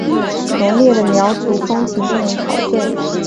浓烈的苗族风情令人陶醉。